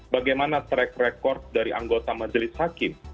bagaimana track record dari anggota majelis hakim